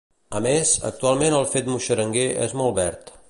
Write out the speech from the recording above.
A més, actualment el fet muixeranguer és molt verd.